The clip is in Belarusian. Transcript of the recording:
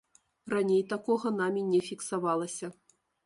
Раней такога намі не фіксавалася.